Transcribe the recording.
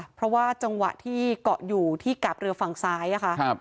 เพราะว่าจังหวะที่เกาะอยู่ที่กาบเรือฝั่งซ้ายอะค่ะ